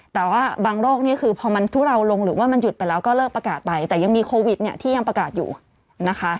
แต่ว่าบางโรคนี้คือพอมันทุเลาลงหรือว่ามันหยุดไปแล้วก็เลิกประกาศไปแต่ยังมีโควิดเนี่ยที่ยังประกาศอยู่นะคะ